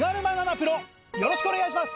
プロよろしくお願いします。